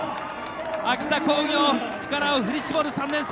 秋田工業、力を振り絞る３年生。